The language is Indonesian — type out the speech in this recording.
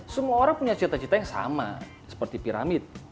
semua orang punya cita cita yang sama seperti piramid